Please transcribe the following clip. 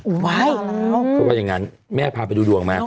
อุ้ยพอแล้วอืมเพราะว่าอย่างนั้นแม่พาไปดูดวงมา